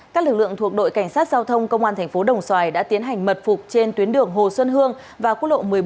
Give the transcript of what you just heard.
các lực lượng thuộc đội cảnh sát giao thông công an thành phố đồng xoài đã tiến hành mật phục trên tuyến đường hồ xuân hương và quốc lộ một mươi bốn